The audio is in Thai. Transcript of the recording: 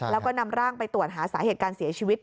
แล้วก็นำร่างไปตรวจหาสาเหตุการเสียชีวิต